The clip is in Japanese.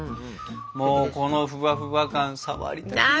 もうこのふわふわ感触りたくなっちゃう。